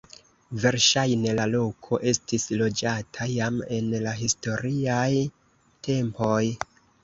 Verŝajne la loko estis loĝata jam en la historiaj tempoj.